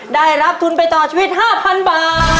ได้รับทุนไปต่อชีวิต๕๐๐๐บาท